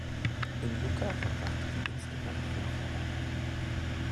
In Lucca verbrachte sie insgesamt fünf Jahre.